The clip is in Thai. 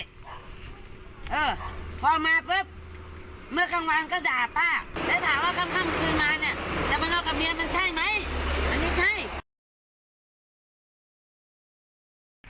เออพอมาปุ๊บเมื่อกลางวันก็ด่าป้า